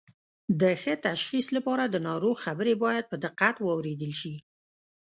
د ښه تشخیص لپاره د ناروغ خبرې باید په دقت واوریدل شي